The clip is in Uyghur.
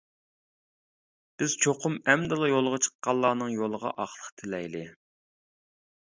بىز چوقۇم ئەمدىلا يولغا چىققانلارنىڭ يولىغا ئاقلىق تىلەيلى.